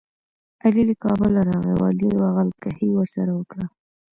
احمد له کابله راغی او علي بغل کښي ورسره وکړه.